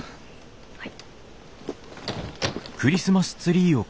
はい。